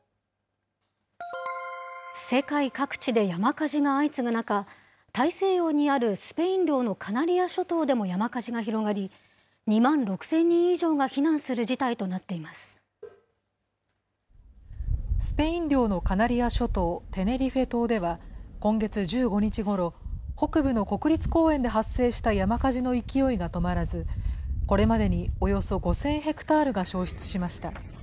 世界各地で山火事が相次ぐ中、大西洋にあるスペイン領のカナリア諸島でも山火事が広がり、２万６０００人以上が避難する事態とスペイン領のカナリア諸島テネリフェ島では、今月１５日ごろ、北部の国立公園で発生した山火事の勢いが止まらず、これまでにおよそ５０００ヘクタールが焼失しました。